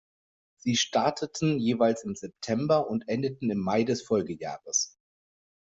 Sie starteten jeweils im September und endeten im Mai des Folgejahres.